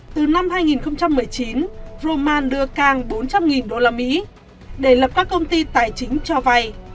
từ năm hai nghìn một mươi chín roman đưa cang bốn trăm linh usd để lập các công ty tài chính cho vay